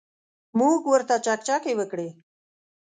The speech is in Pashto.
موږ ورته چکچکې وکړې.